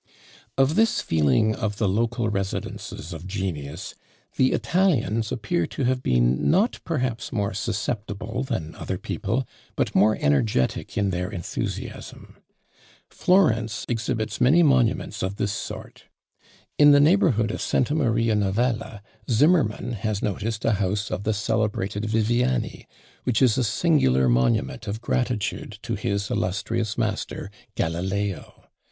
Of this feeling of the local residences of genius, the Italians appear to have been not perhaps more susceptible than other people, but more energetic in their enthusiasm. Florence exhibits many monuments of this sort. In the neighbourhood of Santa Maria Novella, Zimmerman has noticed a house of the celebrated Viviani, which is a singular monument of gratitude to his illustrious master, Galileo.